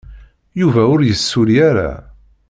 Yuba ur yessulli ara.